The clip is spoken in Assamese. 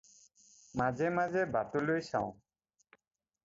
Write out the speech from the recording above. মাজে-মাজে বাটলৈ চাওঁ।